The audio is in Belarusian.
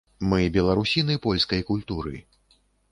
Мы беларусіны польскай культуры.